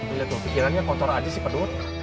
lihat tuh pikirannya kotor aja sih pedun